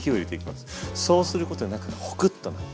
そうすることで中がホクッとなって。